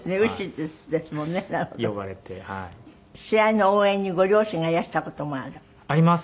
試合の応援にご両親がいらした事もある？